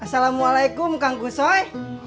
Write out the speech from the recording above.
assalamualaikum kang gusoy